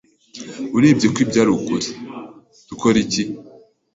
Urebye ko ibyo ari ukuri, dukore iki?